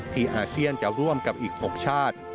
อาเซียนจะร่วมกับอีก๖ชาติ